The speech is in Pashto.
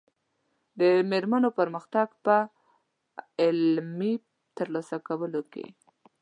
د مېرمنو پرمختګ په علمي ترلاسه کولو کې دی.